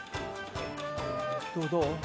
どうどう？